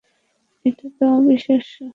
এটা তো অবিশ্বাস্য!